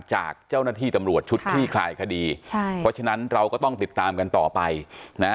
จากเจ้าหน้าที่ตำรวจชุดคลี่คลายคดีใช่เพราะฉะนั้นเราก็ต้องติดตามกันต่อไปนะฮะ